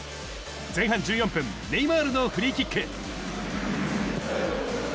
前半１４分、ネイマールのフリーキック。